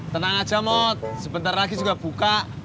tenang aja mot sebentar lagi juga buka